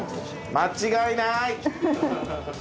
間違いない！